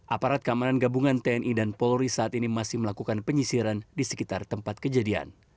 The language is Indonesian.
aparat keamanan gabungan tni dan polri saat ini masih melakukan penyisiran di sekitar tempat kejadian